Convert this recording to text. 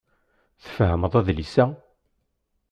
Tfehmeḍ adlis-a?